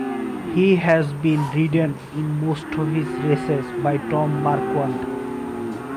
He has been ridden in most of his races by Tom Marquand.